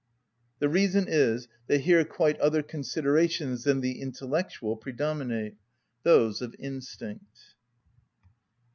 _" The reason is, that here quite other considerations than the intellectual predominate,—those of instinct.